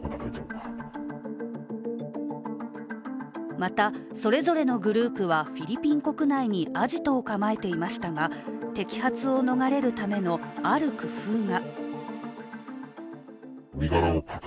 また、それぞれのグループはフィリピン国内にアジトを構えていましたが摘発を逃れるためのある工夫が。